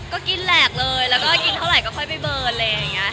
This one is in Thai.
ก็กินแหลกเลยแล้วก็กินเท่าไหร่ก็ค่อยไปเบิร์นอะไรอย่างนี้